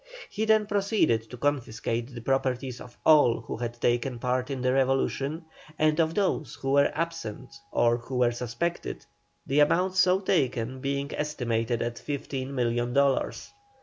He then proceeded to confiscate the properties of all who had taken part in the Revolution, and of those who were absent or who were suspected, the amount so taken being estimated at fifteen millions of dollars.